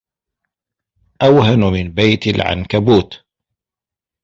أوهن من بيت العنكبوت